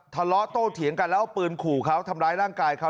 ทะเลาะโตเถียงกันแล้วเอาปืนขู่เขาทำร้ายร่างกายเขา